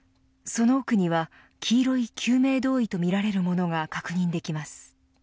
その奥には黄色い救命胴衣とみられるものが確認できます。